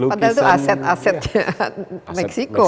padahal itu aset asetnya meksiko